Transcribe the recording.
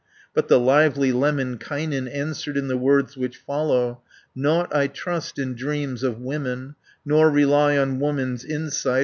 But the lively Lemminkainen Answered in the words which follow: "Nought I trust in dreams of women, Nor rely on woman's insight.